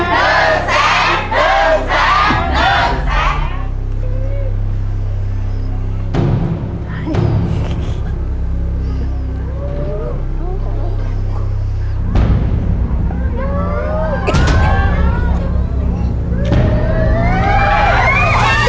มือแสงมือแสงมือแสง